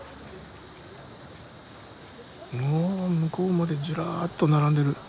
おお向こうまでずらっと並んでる。